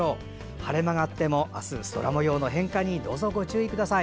晴れ間があっても空もようの変化にご注意ください。